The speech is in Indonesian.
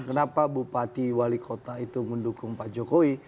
kenapa bupati wali kota itu mendukung pak jokowi